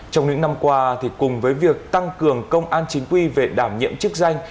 trong những năm qua cùng với việc tăng cường công an chính quy về đảm nhiệm chức danh